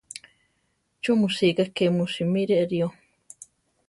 ¿Chú mu sika ké mu simire aʼrío?